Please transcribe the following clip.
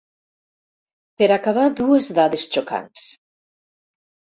Per acabar, dues dades xocants.